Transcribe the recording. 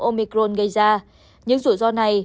omicron gây ra những rủi ro này